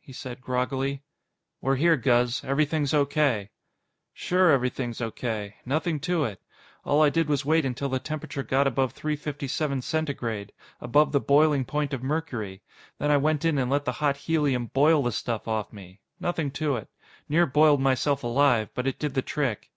he said groggily. "We're here, Guz. Everything's O.K." "Sure everything's O.K. Nothing to it. All I did was wait until the temperature got above three fifty seven Centigrade above the boiling point of mercury. Then I went in and let the hot helium boil the stuff off me. Nothing to it. Near boiled myself alive, but it did the trick."